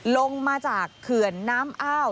ลงมาจากเขื่อนน้ำอ้าว